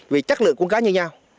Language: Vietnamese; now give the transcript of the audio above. vì chất lượng con cá như nhau